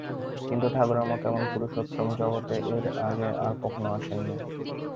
কিন্তু ঠাকুরের মত এমন পুরুষোত্তম জগতে এর আগে আর কখনও আসেননি।